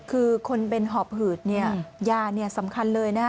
คือคนเป็นหอบหืดยาสำคัญเลยนะ